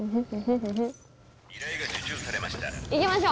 「依頼が受注されました」。